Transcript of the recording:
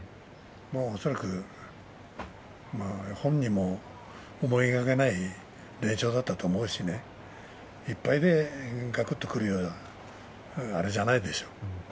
恐らく本人も思いがけない連勝だったと思うしね１敗でがくっとくるようなあれじゃないでしょう。